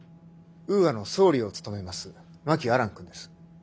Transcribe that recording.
ウーアの総理を務めます真木亜蘭君です。